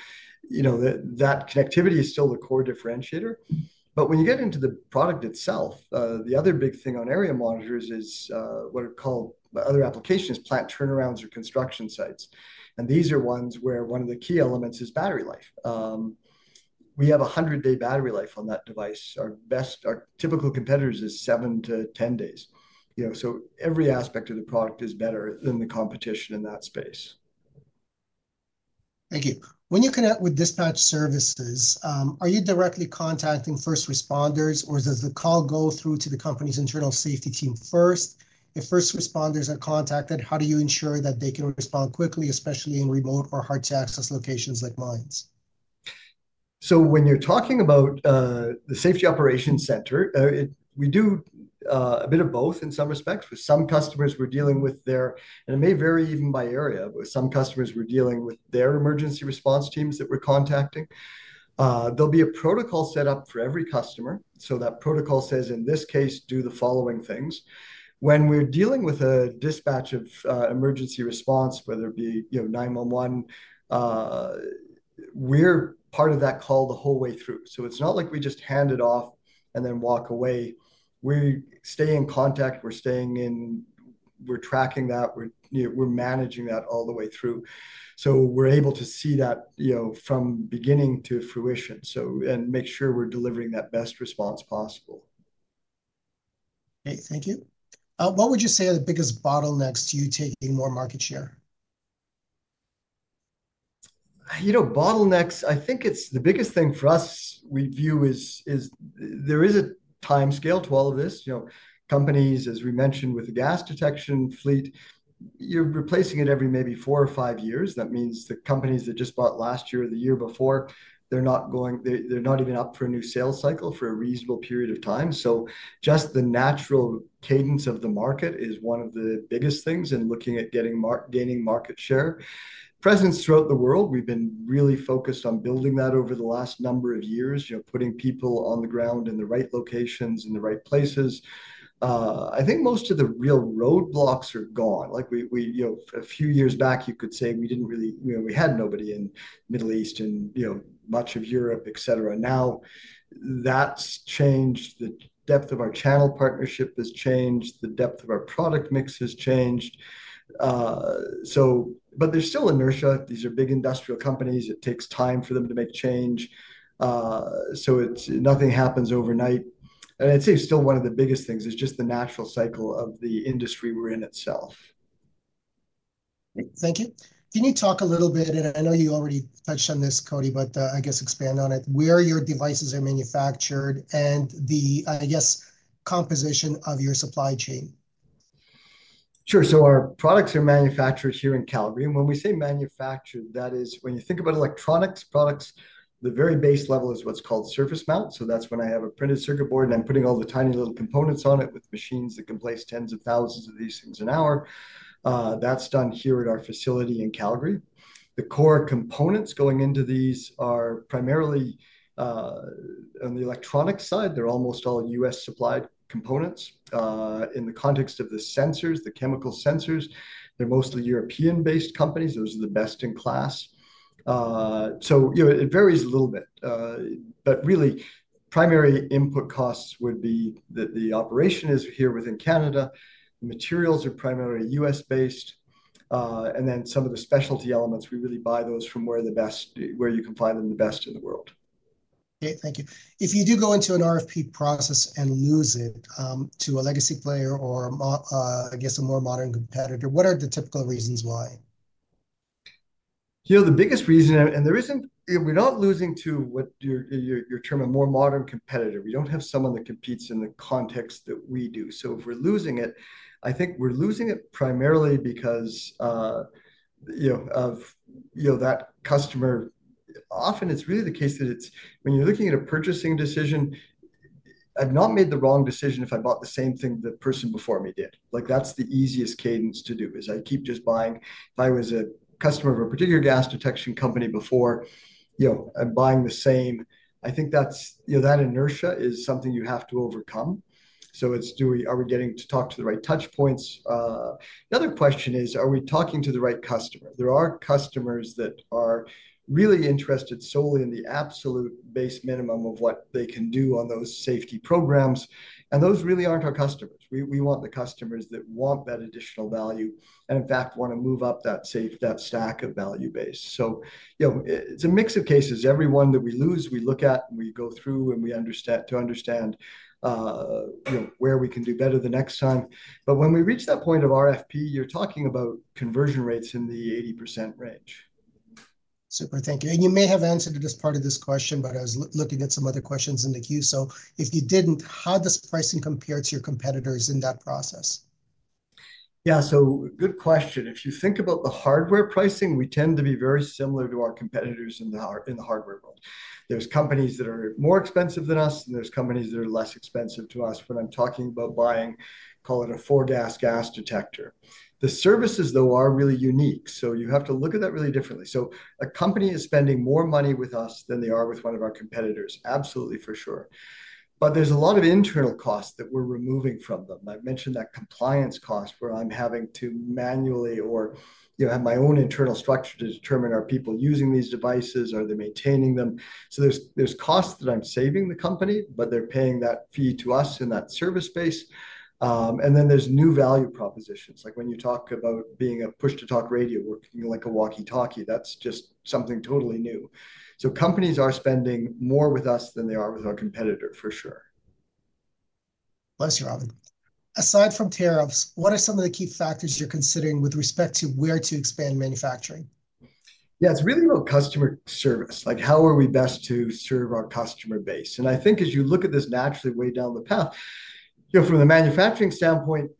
that connectivity is still the core differentiator. But when you get into the product itself, the other big thing on area monitors is what are called other applications, plant turnarounds or construction sites. And these are ones where one of the key elements is battery life. We have a 100-day battery life on that device. Our typical competitors is 7-10 days. So every aspect of the product is better than the competition in that space. Thank you. When you connect with dispatch services, are you directly contacting first responders, or does the call go through to the company's internal safety team first? If first responders are contacted, how do you ensure that they can respond quickly, especially in remote or hard-to-access locations like mines? So when you're talking about the Safety Operations Center, we do a bit of both in some respects. With some customers, we're dealing with their emergency response teams that we're contacting. There'll be a protocol set up for every customer. So that protocol says, in this case, do the following things. When we're dealing with a dispatch of emergency response, whether it be 911, we're part of that call the whole way through. So it's not like we just hand it off and then walk away. We stay in contact. We're staying in. We're tracking that. We're managing that all the way through. So we're able to see that from beginning to fruition and make sure we're delivering that best response possible. Okay. Thank you. What would you say are the biggest bottlenecks to you taking more market share? Bottlenecks, I think it's the biggest thing for us we view is there is a time scale to all of this. Companies, as we mentioned with the gas detection fleet, you're replacing it every maybe four or five years. That means the companies that just bought last year or the year before, they're not even up for a new sales cycle for a reasonable period of time. So just the natural cadence of the market is one of the biggest things in looking at gaining market share. Presence throughout the world, we've been really focused on building that over the last number of years, putting people on the ground in the right locations in the right places. I think most of the real roadblocks are gone. A few years back, you could say we didn't really, we had nobody in the Middle East and much of Europe, etc. Now, that's changed. The depth of our channel partnership has changed. The depth of our product mix has changed, but there's still inertia. These are big industrial companies. It takes time for them to make change, so nothing happens overnight, and I'd say still one of the biggest things is just the natural cycle of the industry we're in itself. Thank you. Can you talk a little bit, and I know you already touched on this, Cody, but I guess expand on it. Where your devices are manufactured and the, I guess, composition of your supply chain? Sure. So our products are manufactured here in Calgary. And when we say manufactured, that is when you think about electronics products, the very base level is what's called surface mount. So that's when I have a printed circuit board, and I'm putting all the tiny little components on it with machines that can place tens of thousands of these things an hour. That's done here at our facility in Calgary. The core components going into these are primarily on the electronic side. They're almost all US-supplied components. In the context of the sensors, the chemical sensors, they're mostly European-based companies. Those are the best in class. So it varies a little bit. But really, primary input costs would be that the operation is here within Canada. The materials are primarily US-based. And then some of the specialty elements, we really buy those from where you can find them the best in the world. Okay. Thank you. If you do go into an RFP process and lose it to a legacy player or, I guess, a more modern competitor, what are the typical reasons why? The biggest reason, and we're not losing to what you're terming a more modern competitor. We don't have someone that competes in the context that we do. So if we're losing it, I think we're losing it primarily because of that customer. Often, it's really the case that when you're looking at a purchasing decision, I've not made the wrong decision if I bought the same thing the person before me did. That's the easiest cadence to do is I keep just buying. If I was a customer of a particular gas detection company before, I'm buying the same. I think that inertia is something you have to overcome. So are we getting to talk to the right touch points? The other question is, are we talking to the right customer? There are customers that are really interested solely in the absolute base minimum of what they can do on those safety programs. And those really aren't our customers. We want the customers that want that additional value and, in fact, want to move up that stack of value base. So it's a mix of cases. Every one that we lose, we look at, and we go through to understand where we can do better the next time. But when we reach that point of RFP, you're talking about conversion rates in the 80% range. Super. Thank you. You may have answered this part of this question, but I was looking at some other questions in the queue. If you didn't, how does pricing compare to your competitors in that process? Yeah. Good question. If you think about the hardware pricing, we tend to be very similar to our competitors in the hardware world. There's companies that are more expensive than us, and there's companies that are less expensive to us when I'm talking about buying, call it a four-gas gas detector. The services, though, are really unique. You have to look at that really differently. A company is spending more money with us than they are with one of our competitors, absolutely for sure. There's a lot of internal costs that we're removing from them. I've mentioned that compliance cost where I'm having to manually or have my own internal structure to determine are people using these devices, are they maintaining them. So there's costs that I'm saving the company, but they're paying that fee to us in that service space, and then there's new value propositions. Like when you talk about being a push-to-talk radio working like a walkie-talkie, that's just something totally new, so companies are spending more with us than they are with our competitor, for sure. Bless you, Robin. Aside from tariffs, what are some of the key factors you're considering with respect to where to expand manufacturing? Yeah. It's really about customer service. How are we best to serve our customer base? And I think as you look at this naturally way down the path, from the manufacturing standpoint,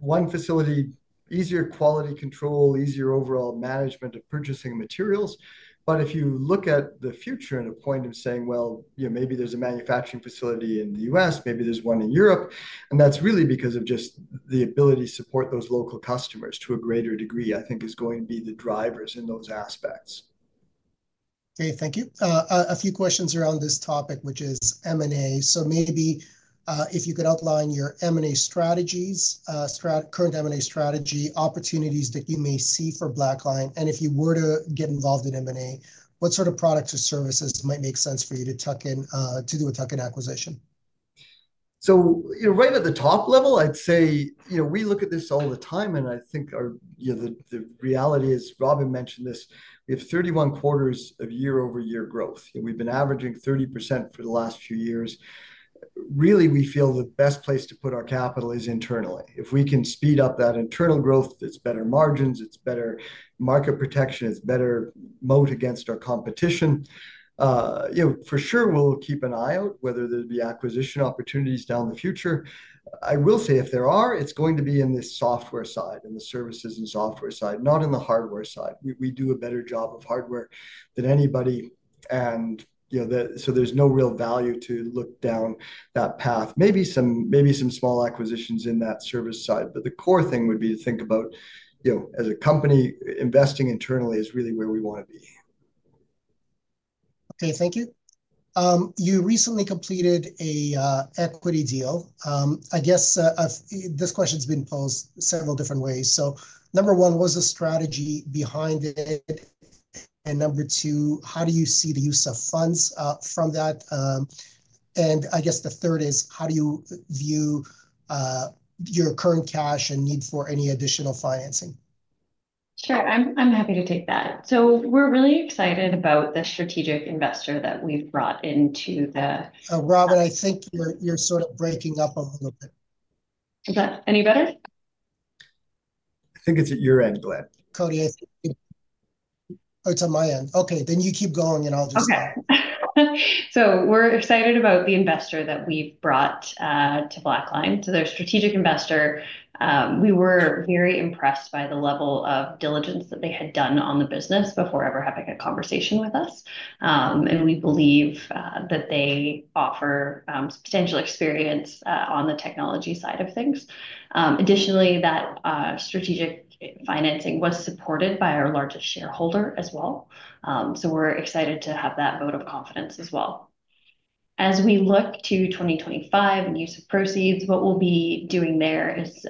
one facility, easier quality control, easier overall management of purchasing materials. But if you look at the future at a point of saying, well, maybe there's a manufacturing facility in the U.S., maybe there's one in Europe. And that's really because of just the ability to support those local customers to a greater degree, I think, is going to be the drivers in those aspects. Okay. Thank you. A few questions around this topic, which is M&A. So maybe if you could outline your current M&A strategy, opportunities that you may see for Blackline. And if you were to get involved in M&A, what sort of products or services might make sense for you to do a tuck-in acquisition? So right at the top level, I'd say we look at this all the time. And I think the reality is, Robin mentioned this, we have 31 quarters of year-over-year growth. We've been averaging 30% for the last few years. Really, we feel the best place to put our capital is internally. If we can speed up that internal growth, it's better margins, it's better market protection, it's better moat against our competition. For sure, we'll keep an eye out whether there'd be acquisition opportunities in the future. I will say if there are, it's going to be in the software side, in the services and software side, not in the hardware side. We do a better job of hardware than anybody. And so there's no real value to look down that path. Maybe some small acquisitions in that service side. But the core thing would be to think about, as a company, investing internally is really where we want to be. Okay. Thank you. You recently completed an equity deal. I guess this question's been posed several different ways. So number one, what was the strategy behind it? And number two, how do you see the use of funds from that? And I guess the third is, how do you view your current cash and need for any additional financing? Sure. I'm happy to take that. So we're really excited about the strategic investor that we've brought into the. Robin, I think you're sort of breaking up a little bit. Is that any better? I think it's at your end, Glen. Cody, I think. Oh, it's on my end. Okay. Then you keep going, and I'll just. Okay. So we're excited about the investor that we've brought to Blackline. So their strategic investor, we were very impressed by the level of diligence that they had done on the business before ever having a conversation with us. And we believe that they offer substantial experience on the technology side of things. Additionally, that strategic financing was supported by our largest shareholder as well. So we're excited to have that vote of confidence as well. As we look to 2025 and use of proceeds, what we'll be doing there is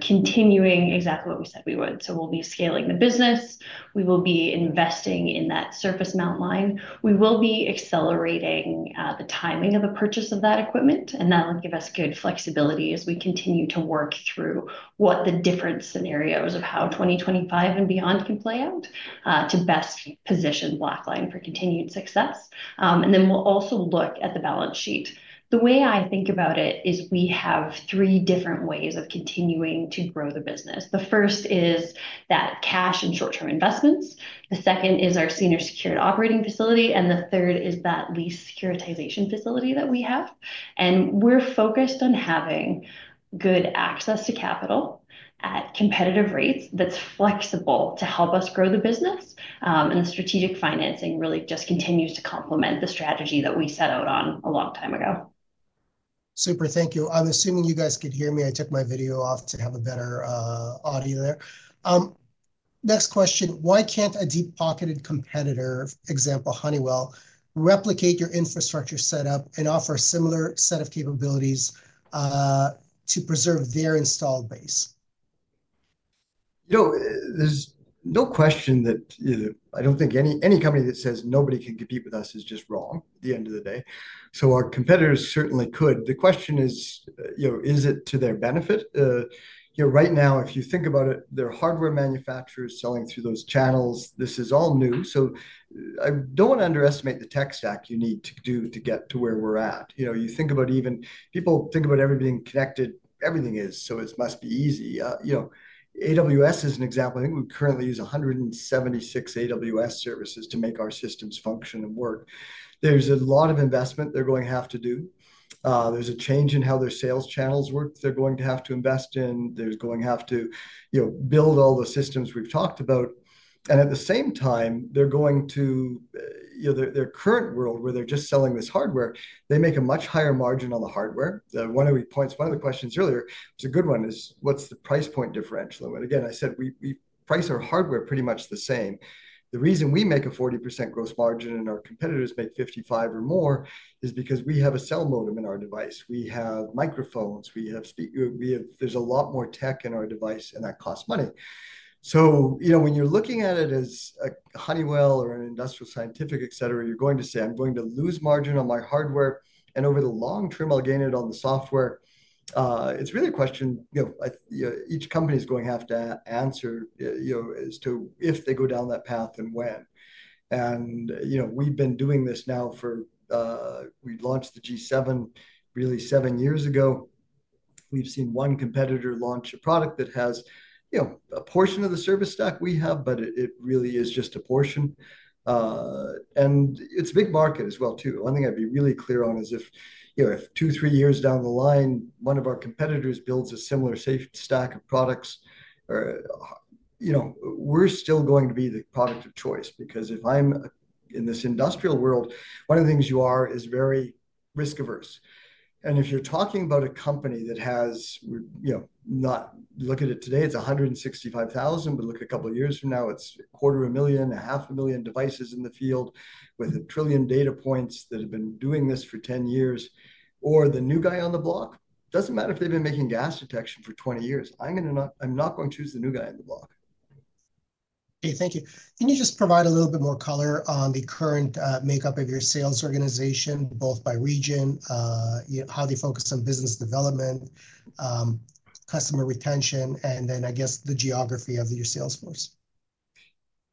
continuing exactly what we said we would. So we'll be scaling the business. We will be investing in that surface mount line. We will be accelerating the timing of the purchase of that equipment. And that will give us good flexibility as we continue to work through what the different scenarios of how 2025 and beyond can play out to best position Blackline for continued success. And then we'll also look at the balance sheet. The way I think about it is we have three different ways of continuing to grow the business. The first is that cash and short-term investments. The second is our senior secured operating facility. The third is that lease securitization facility that we have. We're focused on having good access to capital at competitive rates that's flexible to help us grow the business. The strategic financing really just continues to complement the strategy that we set out on a long time ago. Super. Thank you. I'm assuming you guys could hear me. I took my video off to have a better audio there. Next question. Why can't a deep-pocketed competitor, example, Honeywell, replicate your infrastructure setup and offer a similar set of capabilities to preserve their installed base? There's no question that I don't think any company that says nobody can compete with us is just wrong at the end of the day. So our competitors certainly could. The question is, is it to their benefit? Right now, if you think about it, they're hardware manufacturers selling through those channels. This is all new, so I don't want to underestimate the tech stack you need to do to get to where we're at. You think about even people think about everybody being connected. Everything is, so it must be easy. AWS is an example. I think we currently use 176 AWS services to make our systems function and work. There's a lot of investment they're going to have to do. There's a change in how their sales channels work they're going to have to invest in. They're going to have to build all the systems we've talked about. And at the same time, they're going to their current world where they're just selling this hardware, they make a much higher margin on the hardware. One of the points, one of the questions earlier, it's a good one, is what's the price point differential? Again, I said we price our hardware pretty much the same. The reason we make a 40% gross margin and our competitors make 55% or more is because we have a cell modem in our device. We have microphones. There's a lot more tech in our device, and that costs money. So when you're looking at it as a Honeywell or an Industrial Scientific, etc., you're going to say, "I'm going to lose margin on my hardware, and over the long term, I'll gain it on the software." It's really a question each company is going to have to answer as to if they go down that path and when. We've been doing this now for we launched the G7 really seven years ago. We've seen one competitor launch a product that has a portion of the service stack we have, but it really is just a portion. It's a big market as well, too. One thing I'd be really clear on is if two, three years down the line, one of our competitors builds a similar safety stack of products, we're still going to be the product of choice. Because if I'm in this industrial world, one of the things you are is very risk-averse. And if you're talking about a company that has. Look at it today, it's 165,000, but look a couple of years from now, it's 250,000-500,000 devices in the field with 1 trillion data points that have been doing this for 10 years. Or the new guy on the block, it doesn't matter if they've been making gas detection for 20 years. I'm not going to choose the new guy on the block. Okay. Thank you. Can you just provide a little bit more color on the current makeup of your sales organization, both by region, how they focus on business development, customer retention, and then, I guess, the geography of your sales force?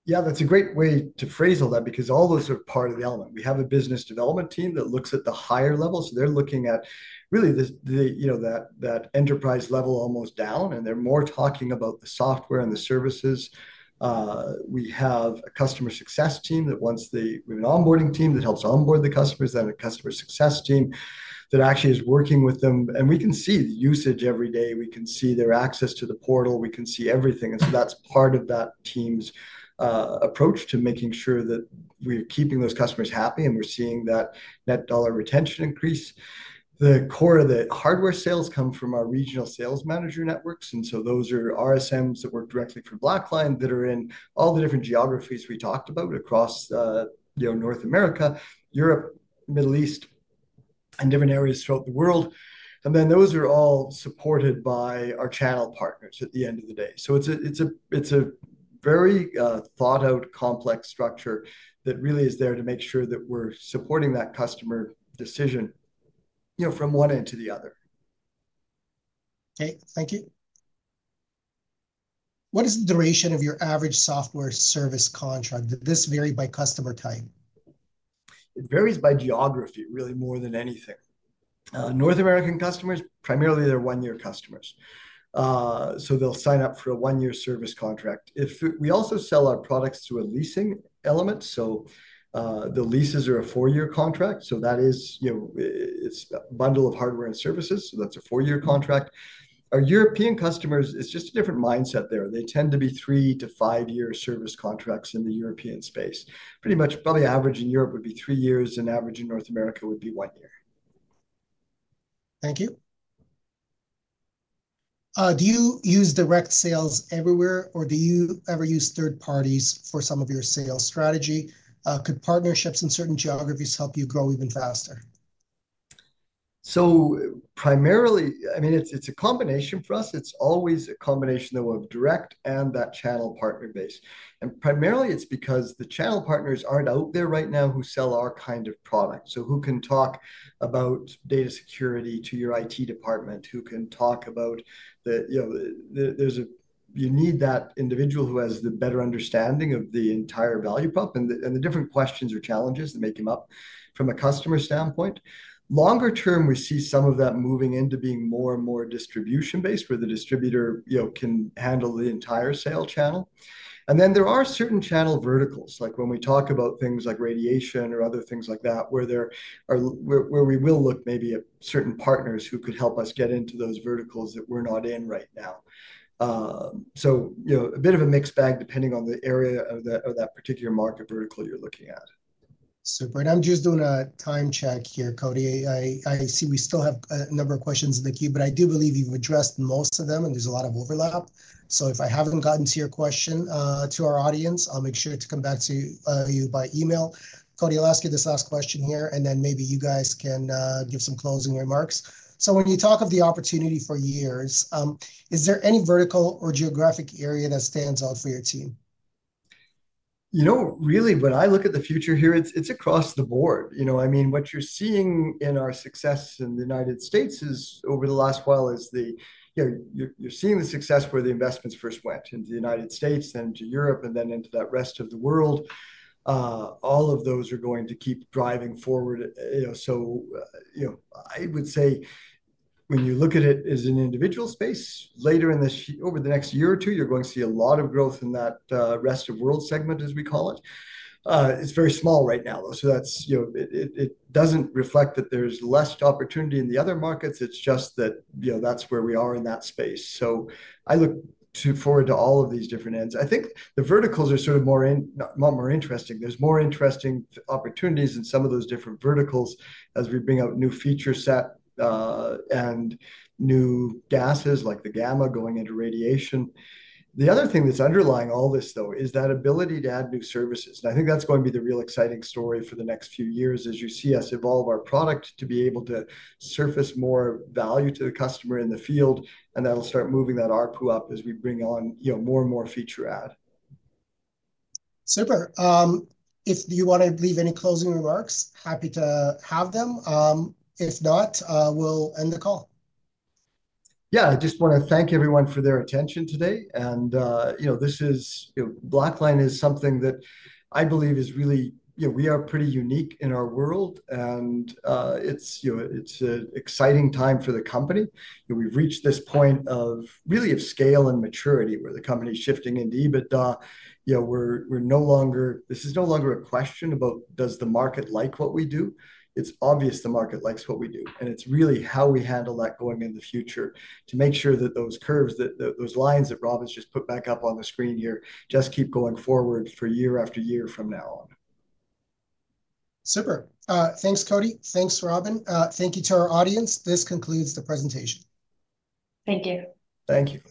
Yeah. That's a great way to phrase all that because all those are part of the element. We have a business development team that looks at the higher level. So they're looking at really that enterprise level almost down, and they're more talking about the software and the services. We have a customer success team. We have an onboarding team that helps onboard the customers, then a customer success team that actually is working with them. And we can see the usage every day. We can see their access to the portal. We can see everything. And so that's part of that team's approach to making sure that we're keeping those customers happy and we're seeing that net dollar retention increase. The core of the hardware sales come from our regional sales manager networks. And so those are RSMs that work directly for Blackline that are in all the different geographies we talked about across North America, Europe, Middle East, and different areas throughout the world. And then those are all supported by our channel partners at the end of the day. So it's a very thought-out complex structure that really is there to make sure that we're supporting that customer decision from one end to the other. Okay. Thank you. What is the duration of your average software service contract? Does this vary by customer type? It varies by geography, really, more than anything. North American customers, primarily, they're one-year customers. So they'll sign up for a one-year service contract. We also sell our products through a leasing element. So the leases are a four-year contract. So that is a bundle of hardware and services. So that's a four-year contract. Our European customers, it's just a different mindset there. They tend to be three- to five-year service contracts in the European space. Probably average in Europe would be three years, and average in North America would be one year. Thank you. Do you use direct sales everywhere, or do you ever use third parties for some of your sales strategy? Could partnerships in certain geographies help you grow even faster? So primarily, I mean, it's a combination for us. It's always a combination, though, of direct and that channel partner base. And primarily, it's because the channel partners aren't out there right now who sell our kind of product. So, who can talk about data security to your IT department? Who can talk about the you need that individual who has the better understanding of the entire value prop and the different questions or challenges that make it up from a customer standpoint. Longer term, we see some of that moving into being more and more distribution-based, where the distributor can handle the entire sales channel, and then there are certain channel verticals, like when we talk about things like radiation or other things like that, where we will look, maybe, at certain partners who could help us get into those verticals that we're not in right now, so a bit of a mixed bag depending on the area of that particular market vertical you're looking at. Super, and I'm just doing a time check here, Cody. I see we still have a number of questions in the queue, but I do believe you've addressed most of them, and there's a lot of overlap. So if I haven't gotten to your question to our audience, I'll make sure to come back to you by email. Cody, I'll ask you this last question here, and then maybe you guys can give some closing remarks. So when you talk of the opportunity for years, is there any vertical or geographic area that stands out for your team? Really, when I look at the future here, it's across the board. I mean, what you're seeing in our success in the United States over the last while is you're seeing the success where the investments first went into the United States and to Europe and then into that rest of the world. All of those are going to keep driving forward. I would say when you look at it as an individual space, later, over the next year or two, you're going to see a lot of growth in that rest of world segment, as we call it. It's very small right now, though. So it doesn't reflect that there's less opportunity in the other markets. It's just that that's where we are in that space. So I look forward to all of these different ends. I think the verticals are sort of more interesting. There's more interesting opportunities in some of those different verticals as we bring out new feature set and new gases like the gamma going into radiation. The other thing that's underlying all this, though, is that ability to add new services. And I think that's going to be the real exciting story for the next few years as you see us evolve our product to be able to surface more value to the customer in the field. And that'll start moving that RPU up as we bring on more and more feature add. Super. If you want to leave any closing remarks, happy to have them. If not, we'll end the call. Yeah. I just want to thank everyone for their attention today. And this is Blackline is something that I believe is really we are pretty unique in our world. And it's an exciting time for the company. We've reached this point of really of scale and maturity where the company is shifting into EBITDA. This is no longer a question about does the market like what we do. It's obvious the market likes what we do. And it's really how we handle that going into the future to make sure that those curves, those lines that Rob has just put back up on the screen here, just keep going forward for year after year from now on. Super. Thanks, Cody. Thanks, Robin. Thank you to our audience. This concludes the presentation. Thank you. Thank you.